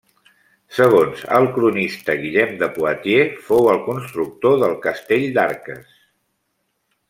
Segons el cronista Guillem de Poitiers, fou el constructor del castell d'Arques.